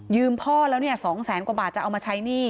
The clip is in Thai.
ยืมพ่อแล้ว๒๐๐๐๐๐บาทจะเอามาใช้หนี้